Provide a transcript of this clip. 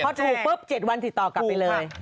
พอถูกปุ๊บ๗วันติดต่อกลับไปเลย